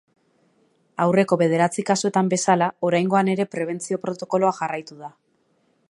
Aurreko bederatzi kasuetan bezala, oraingoan ere prebentzio protokoloa jarraitu da.